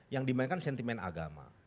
yang dimainkan sentimen agama